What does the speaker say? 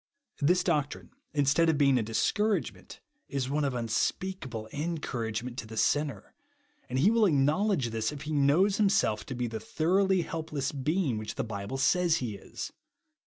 This doctrine, instead of being a dis couragement, is one of unspeakable en couragement to the sinner; and he will acknowledge .this, if he know^s himself to be the thorough^ helpless being which the Bible says he is.